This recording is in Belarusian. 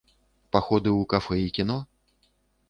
Паходы ў кафэ і кіно?